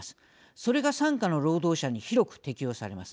それが、傘下の労働者に広く適用されます。